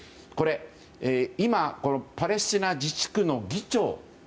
今、パレスチナ自治区の議長。